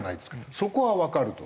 そこはわかると。